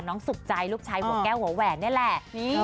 สุขใจลูกชายหัวแก้วหัวแหวนนี่แหละ